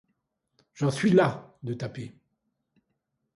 J’en suis las, de taper…